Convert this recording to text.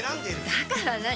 だから何？